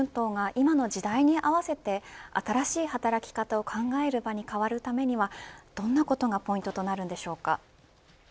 春闘が今の時代に合わせて新しい働き方を考える場に変わるためにはどんなことがポイントになりますか。